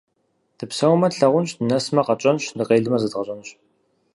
Дыпсэумэ - тлъагъунщ, дынэсмэ – къэтщӏэнщ, дыкъелмэ – зэдгъэщӏэнщ.